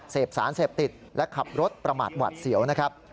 เสพสารเสพติดและขับรถประมาทหวัดเสียวนะครับ